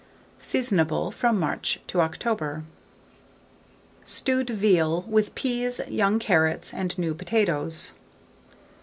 Seasonable from March to October. STEWED VEAL, with Peas, young Carrots, and new Potatoes.